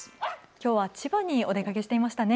きょうは千葉にお出かけしていましたね。